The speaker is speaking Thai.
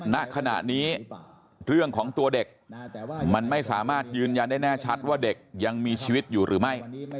ณขณะนี้เรื่องของตัวเด็กมันไม่สามารถยืนยันได้แน่ชัดว่าเด็กยังมีชีวิตอยู่หรือไม่